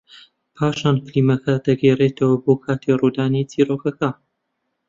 پاشان فیلمەکە دەگەڕێتەوە بۆ کاتی ڕوودانی چیرۆکەکە